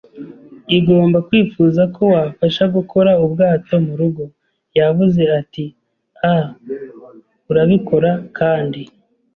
igomba kwifuza ko wafasha gukora ubwato murugo. ” Yavuze ati: “Ah, urabikora.” Kandi